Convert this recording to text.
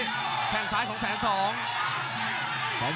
แข่งซ้ายของแสนสอง